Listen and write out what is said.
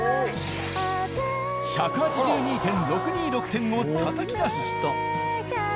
１８２．６２６点をたたき出し。